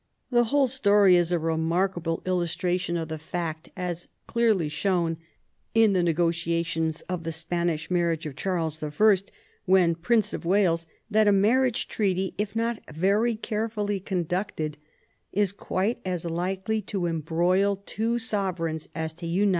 The whole story is a remarkable illustration of the fact, so clearly shown in the negotiations for the Spanish marriage of Charles I. when Prince of "Wales, that a marriage treaty, if not very carefully conducted, is quite as likely to embroil two sovereigns as to unite them.